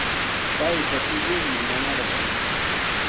Paypa tullunmi nanarqan